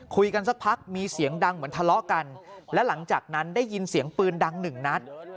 สักพักมีเสียงดังเหมือนทะเลาะกันและหลังจากนั้นได้ยินเสียงปืนดังหนึ่งนัด